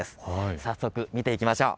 早速、見ていきましょう。